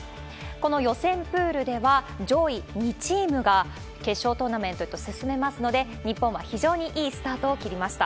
この予選プールでは、上位２チームが決勝トーナメントへと進めますので、日本は非常にいいスタートを切りました。